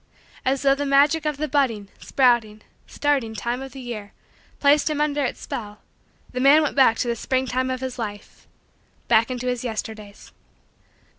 As though the magic of the budding, sprouting, starting, time of the year placed him under its spell, the man went back to the springtime of his life back into his Yesterdays.